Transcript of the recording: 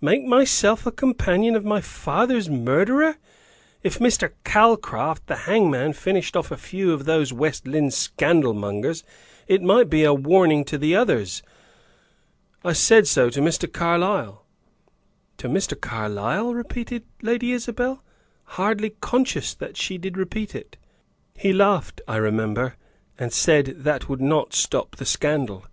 "Make myself a companion of my father's murderer! If Mr. Calcraft, the hangman, finished off a few of those West Lynne scandalmongers, it might be a warning to the others. I said so to Mr. Carlyle." "To Mr. Carlyle?" repeated Lady Isabel, hardly conscious that she did repeat it. "He laughed, I remember, and said that would not stop the scandal.